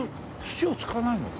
土を使わないの？